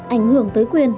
ảnh hưởng tới quyền